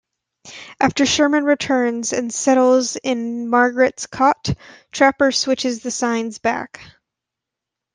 After Sherman returns and settles in Margaret's cot, Trapper switches the signs back.